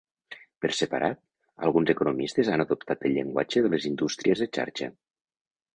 Per separat, alguns economistes han adoptat el llenguatge de les "indústries de xarxa".